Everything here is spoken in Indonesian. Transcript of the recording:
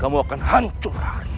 kamu akan hancur hari ini